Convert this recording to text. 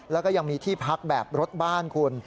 แล้วก็ยังมีที่พักแบบรถบ้านคุณ